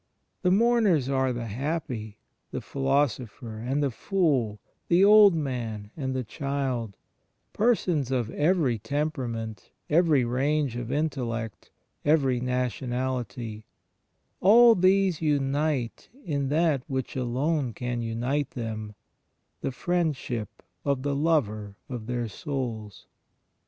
The mourners and the happy, the philosopher and the fool, the old man and the child — persons of every temperament, every range of intellect, every nationality — all these unite in that which alone can unite them — the Friend ship of the Lover of their souls.